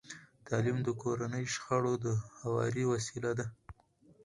تعلیم د کورني شخړو د هواري وسیله ده.